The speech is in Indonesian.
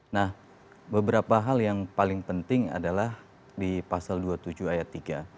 nah beberapa hal yang paling penting adalah di pasal dua puluh tujuh ayat tiga